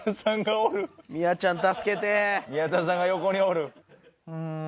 宮田さんが横におる。